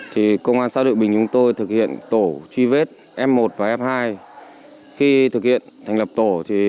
thì công an xã đội bình chúng tôi thực hiện tổ truy vết f một và f hai khi thực hiện thành lập tổ